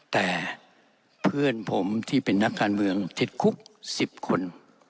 แต่เพื่อนผมที่เป็นนักการเมืองติดคุก๑๐คน